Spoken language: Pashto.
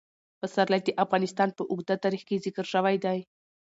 پسرلی د افغانستان په اوږده تاریخ کې ذکر شوی دی.